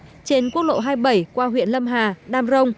trên quốc lộ hai mươi bảy qua huyện lâm hà đam rông